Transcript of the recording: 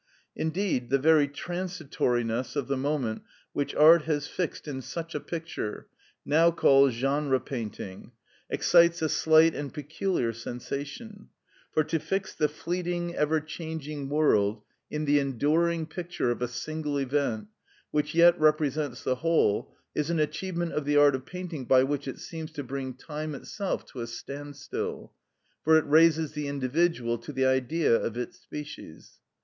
Indeed the very transitoriness of the moment which art has fixed in such a picture (now called genre painting) excites a slight and peculiar sensation; for to fix the fleeting, ever changing world in the enduring picture of a single event, which yet represents the whole, is an achievement of the art of painting by which it seems to bring time itself to a standstill, for it raises the individual to the Idea of its species.